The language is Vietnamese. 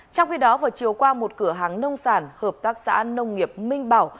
trong khi đó vào chiều qua một cửa hàng nông sản hợp tác xã nông nghiệp minh bảo